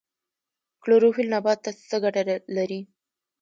کلوروفیل نبات ته څه ګټه لري؟